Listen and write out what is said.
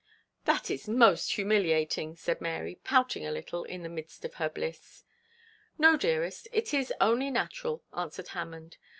'That is most humiliating,' said Mary, pouting a little in the midst of her bliss. 'No, dearest, it is only natural,' answered Hammond.